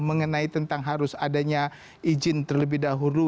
mengenai tentang harus adanya izin terlebih dahulu